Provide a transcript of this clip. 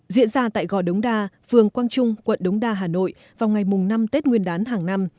diễn ra tại gò đống đa phường quang trung quận đống đa hà nội vào ngày mùng năm tết nguyên đán hàng năm